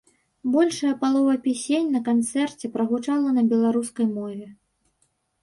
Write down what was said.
Большая палова песень на канцэрце прагучала на беларускай мове.